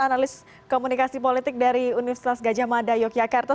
analis komunikasi politik dari universitas gajah mada yogyakarta